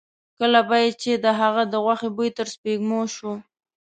کله به یې چې د هغه د غوښې بوی تر سپېږمو شو.